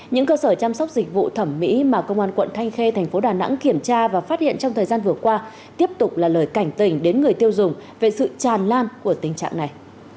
những cơ sở chăm sóc dịch vụ thẩm mỹ mà công an quận thanh khê thành phố đà nẵng kiểm tra và phát hiện trong thời gian vừa qua tiếp tục là lời cảnh tình đến người tiêu dùng về sự tràn lan của tình trạng này